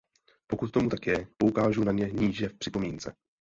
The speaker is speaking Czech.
Pokud tomu tak je, poukážu na ně níže v připomínce.